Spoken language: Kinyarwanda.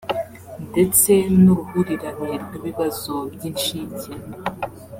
ndetse n’uruhurirane rw’ibibazo by’incike